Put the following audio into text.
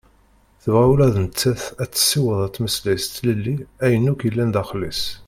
Tebɣa ula d nettat ad tessiweḍ ad temmeslay s tlelli ayen akk yellan daxel-is.